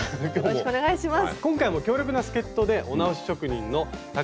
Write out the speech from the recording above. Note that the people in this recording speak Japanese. よろしくお願いします。